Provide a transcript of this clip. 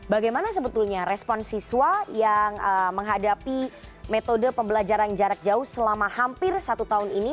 bagaimana sebetulnya respon siswa yang menghadapi metode pembelajaran jarak jauh selama hampir satu tahun ini